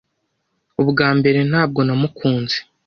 Ubwa mbere ntabwo namukunze